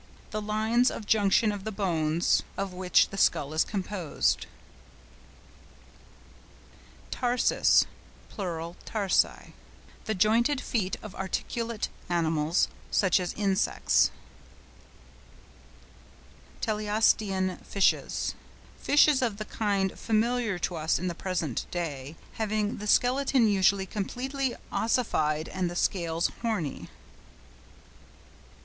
—The lines of junction of the bones of which the skull is composed. TARSUS (pl. TARSI).—The jointed feet of articulate animals, such as insects. TELEOSTEAN FISHES.—Fishes of the kind familiar to us in the present day, having the skeleton usually completely ossified and the scales horny.